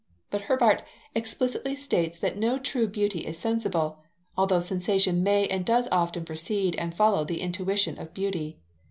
But Herbart explicitly states that no true beauty is sensible, although sensation may and does often precede and follow the intuition of beauty.